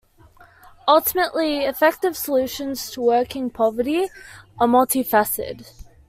Ultimately, effective solutions to working poverty are multifaceted.